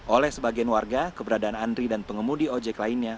oleh sebagian warga keberadaan andri dan pengemudi ojek lainnya